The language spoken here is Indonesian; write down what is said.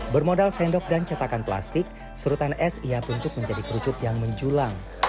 bermodal sendok dan cetakan plastik serutan es ia puntuk menjadi kerucut yang menjulang